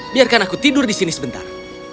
biarkan aku tidur di sini sebentar